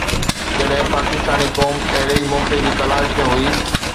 جڏهن پاڪستاني قوم اهڙي ئي موقعي جي تلاش ۾ هئي.